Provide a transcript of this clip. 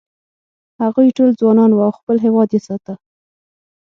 هغوی ټول ځوانان و او خپل هېواد یې ساته.